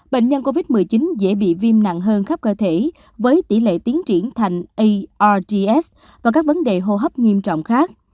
bệnh nhân covid một mươi chín dễ bị viêm nặng hơn khắp cơ thể với tỷ lệ tiến triển thành args và các vấn đề hô hấp nghiêm trọng khác